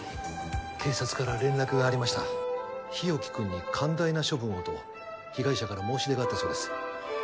警察から連絡がありました日沖君に寛大な処分をと被害者から申し出があったそうです